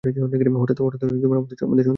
হঠাৎ আমার সন্দেহটা হয়।